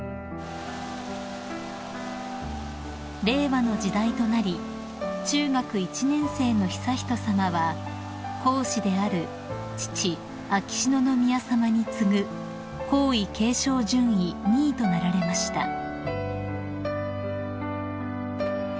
［令和の時代となり中学１年生の悠仁さまは皇嗣である父秋篠宮さまに次ぐ皇位継承順位２位となられました］